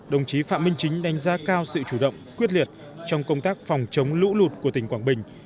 đồng chí phạm minh chính đánh giá cao sự chủ động quyết liệt trong công tác phòng chống lũ lụt của tỉnh quảng bình